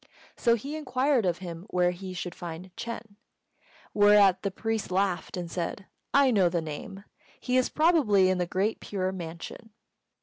So he inquired of him where he should find Ch'êng; whereat the priest laughed and said, "I know the name. He is probably in the Great Pure Mansion."